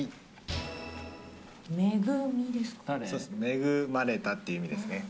恵まれたっていう意味ですね。